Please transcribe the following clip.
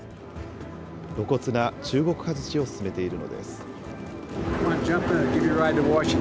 露骨な中国外しを進めているのです。